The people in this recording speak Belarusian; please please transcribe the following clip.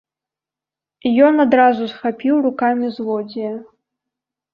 Ён адразу схапіў рукамі злодзея.